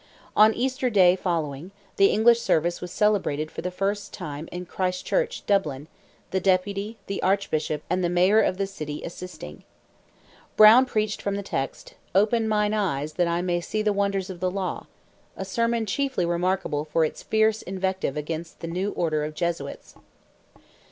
On Easter day following, the English service was celebrated for the first time in Christ Church, Dublin, the Deputy, the Archbishop, and the Mayor of the city assisting. Browne preached from the text: "Open mine eyes that I may see the wonders of the law"—a sermon chiefly remarkable for its fierce invective against the new Order of Jesuits.